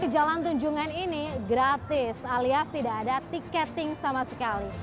jalan tunjungan ini gratis alias tidak ada tiketing sama sekali